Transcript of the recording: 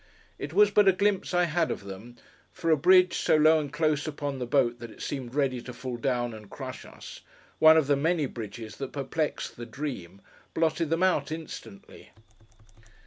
It was but a glimpse I had of them; for a bridge, so low and close upon the boat that it seemed ready to fall down and crush us: one of the many bridges that perplexed the Dream: blotted them out, instantly.